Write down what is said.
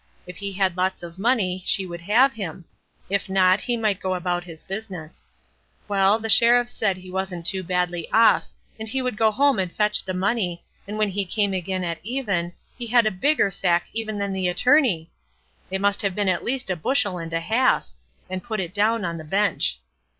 If he had lots of money she would have him, if not, he might go about his business. Well, the Sheriff said he wasn't so badly off, and he would go home and fetch the money, and when he came again at even, he had a bigger sack even than the Attorney—it must have been at least a bushel and a half, and put it down on the bench.